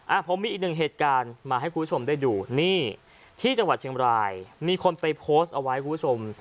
ผมมีอีกหนึ่งเหตุการณ์มาให้คุณผู้ชมได้ดูนี่ที่จังหวัดเชียงบรายมีคนไปโพสต์เอาไว้คุณผู้ชม